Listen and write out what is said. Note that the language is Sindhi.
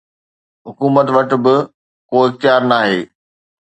حڪومت وٽ به ڪو اختيار ناهي.